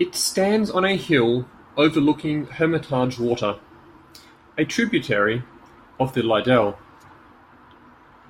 It stands on a hill overlooking Hermitage Water, a tributary of the Liddel.